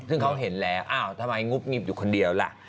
ซึ่งเขาเห็นแล้วอ้าวทำไมงุบงิบอยู่คนเดียวล่ะ